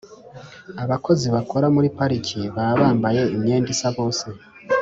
Abakozi bakora muri pariki baba bambaye imyenda isa bose